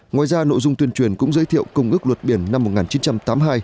ngoài ra nội dung tuyên truyền cũng giới thiệu công ước luật biển năm một nghìn chín trăm tám mươi hai